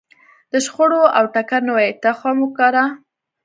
د شخړو او ټکر نوی تخم وکره.